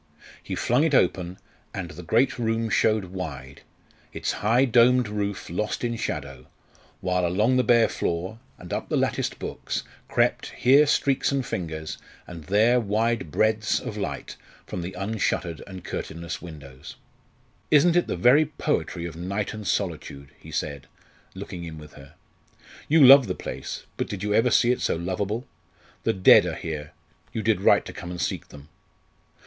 He flung it open, and the great room showed wide, its high domed roof lost in shadow, while along the bare floor and up the latticed books crept, here streaks and fingers, and there wide breadths of light from the unshuttered and curtainless windows. "Isn't it the very poetry of night and solitude?" he said, looking in with her. "You love the place; but did you ever see it so lovable? The dead are here; you did right to come and seek them!